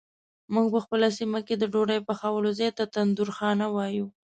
مونږ په خپله سیمه کې د ډوډۍ پخولو ځای ته تندورخانه وایو.